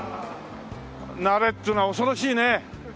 慣れっていうのは恐ろしいね。